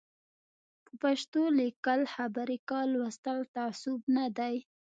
په پښتو لیکل خبري کول لوستل تعصب نه دی